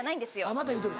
また言うとる。